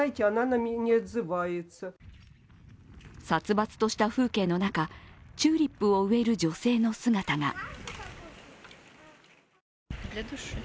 殺伐とした風景の中チューリップを植える女性の姿が。